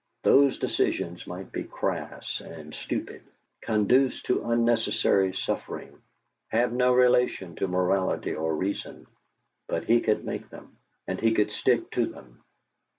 Those decisions might be "crass" and stupid, conduce to unnecessary suffering, have no relation to morality or reason; but he could make them, and he could stick to them.